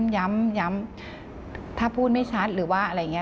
ย้ำถ้าพูดไม่ชัดหรือว่าอะไรอย่างนี้